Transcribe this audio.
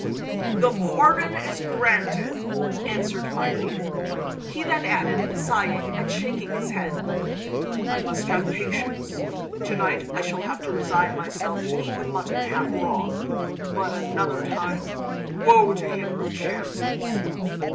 "The pardon is granted!" answered Fire eater. He then added, sighing and shaking his head: "I must have patience! To night I shall have to resign myself to eat the mutton half raw; but another time, woe to him who chances!"